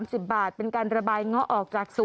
น้ำป่าเสดกิ่งไม้แม่ระมาศ